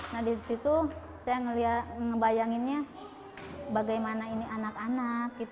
nah di situ saya ngebayanginnya bagaimana ini anak anak